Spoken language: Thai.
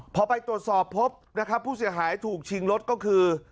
พอไปตรวจสอบพบนะครับผู้เสียหายถูกชิงรถก็คือ